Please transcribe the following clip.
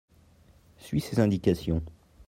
suis ses indications.